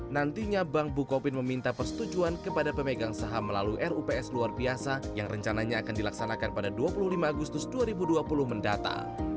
nantinya bank bukopin meminta persetujuan kepada pemegang saham melalui rups luar biasa yang rencananya akan dilaksanakan pada dua puluh lima agustus dua ribu dua puluh mendata